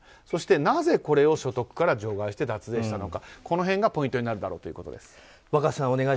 そしてなぜこれを所得から除外して脱税したのかがポイントになるだろうと。